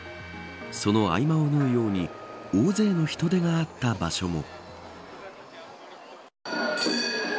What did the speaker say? その合間を縫うように大勢の人出があった場所も。